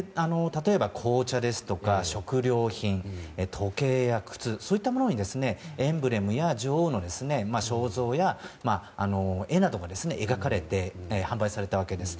例えば紅茶や食料品時計や靴そういったものに、エンブレムや女王の肖像や絵などが描かれて販売されたわけです。